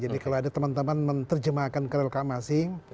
saya ingin saya teman teman menerjemahkan ke relka masing